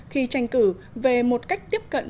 khi tranh cử về một cách tiếp cận